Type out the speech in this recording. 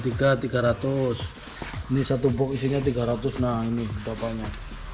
ini satu box isinya tiga ratus nah ini bapaknya